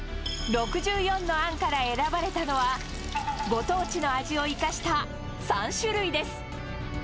６４の案から選ばれたのは、ご当地の味を生かした３種類です。